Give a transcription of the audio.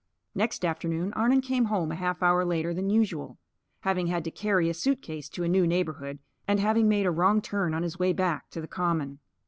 Next afternoon Arnon came home a half hour later than usual, having had to carry a suit case to a new neighbourhood, and having made a wrong turn on his way back to the Common.